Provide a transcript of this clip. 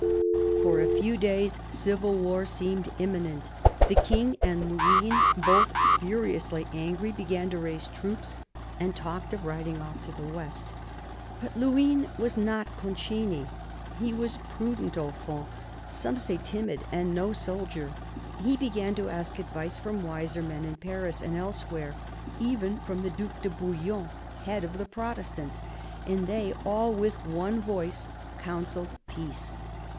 For a few days civil war seemed imminent. The King and Luynes, both furiously angry, began to raise troops, and talked of riding off to the west. But Luynes was not Concini. He was prudent au fond, some say timid, and no soldier. He began to ask advice from wiser men in Paris and elsewhere, even from the Due de Bouillon, head of the Protestants, and they all with one voice counselled peace.